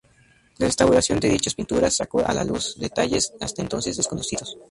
La restauración de dichas pinturas sacó a la luz detalles hasta entonces desconocidos.